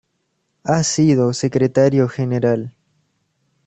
Ha sido Secretario Gral.